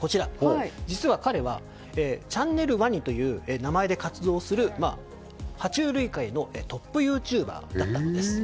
実は彼はちゃんねる鰐という名前で活動する爬虫類界のトップユーチューバーだったんです。